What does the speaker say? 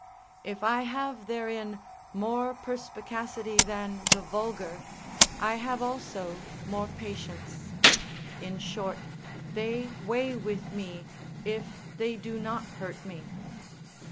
If I have therein more perspicacity than the vulgar, I have also more patience; in short, they weigh with me, if they do not hurt me.